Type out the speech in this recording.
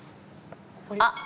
あっ！